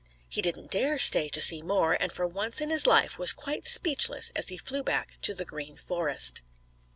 He didn't dare stay to see more, and for once in his life was quite speechless as he flew back to the Green Forest.